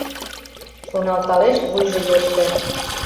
Шоналталеш вуйжо йырже